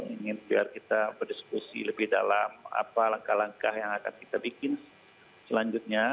ingin biar kita berdiskusi lebih dalam apa langkah langkah yang akan kita bikin selanjutnya